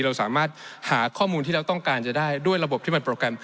เราสามารถหาข้อมูลที่เราต้องการจะได้ด้วยระบบที่มันโปรแกรม